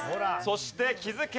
そして気づけば